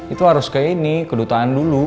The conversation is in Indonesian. itu harus ke ini kedutaan dulu